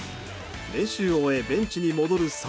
練習を終えベンチに戻る際。